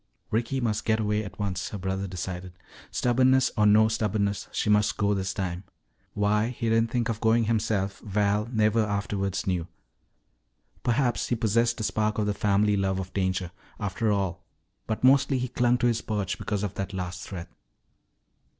Ricky must get away at once, her brother decided. Stubbornness or no stubbornness, she must go this time. Why he didn't think of going himself Val never afterwards knew. Perhaps he possessed a spark of the family love of danger, after all, but mostly he clung to his perch because of that last threat.